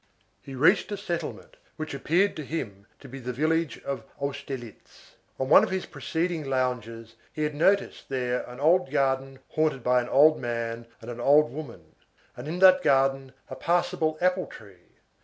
He reached a settlement which appeared to him to be the village of Austerlitz. In one of his preceding lounges he had noticed there an old garden haunted by an old man and an old woman, and in that garden, a passable apple tree.